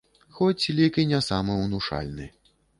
Хоць лік і не самы ўнушальны.